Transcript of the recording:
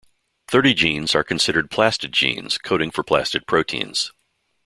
Thirty genes are considered "plastid" genes, coding for plastid proteins.